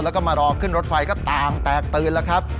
แล้วก็มารอขึ้นรถไฟก็ต่างแตกตื่นแล้วครับ